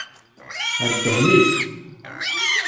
Err ddhen-ik!